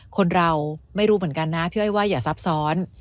คนเราไม่รู้เหมือนกันนะพี่อ้อยว่าอย่าซับซ้อน